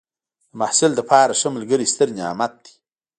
د محصل لپاره ښه ملګری ستر نعمت دی.